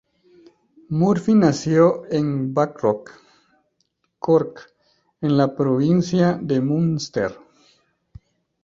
Murphy nació en Blackrock, Cork, en la provincia de Munster.